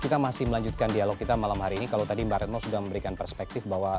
kita masih melanjutkan dialog kita malam hari ini kalau tadi mbak retno sudah memberikan perspektif bahwa